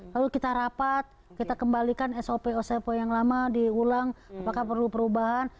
lalu kita rapat kita kembalikan sop oso yang lama diulang apakah perlu perubahan